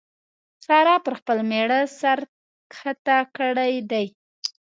سارا پر خپل مېړه سر کښته کړی دی.